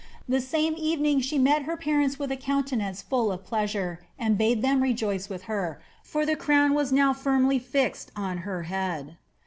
The same evening she met her parents with a countenance full of pleasare, and bade them rejoice with her, for the crown was now firmly fixed on her head.'